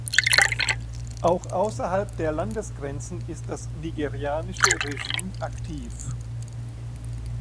Auch außerhalb der Landesgrenzen ist das nigerianische Regime aktiv.